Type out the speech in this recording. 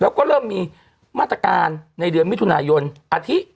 แล้วก็เริ่มมีมาตรการในเดือนมิถุนายนอาทิตย์